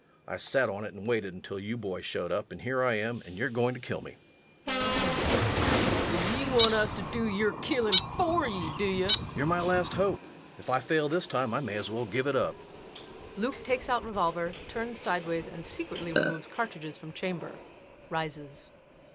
I sat on it and waited until you boys showed up, and here I am, and you're going to kill me. LUKE. Ah, so ye want us to do yer killin' fer ye, do ye? REVENUE. You're my last hope. If I fail this time I may as well give it up. LUKE. [_Takes out revolver, turns sidewise and secretly removes cartridges from chamber. Rises.